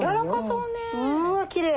うわきれい！